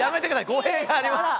語弊があります。